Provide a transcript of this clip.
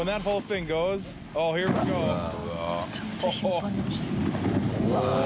めちゃめちゃ頻繁に落ちてる。